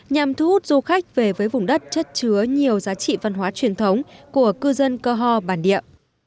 nhằm thu hút du khách về với vùng đất chất chứa nhiều giá trị văn hóa truyền thống của cư dân cơ ho bản địa